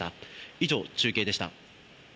以上、中継でした。